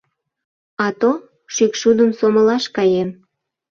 А то — «шӱкшудым сомылаш каем!»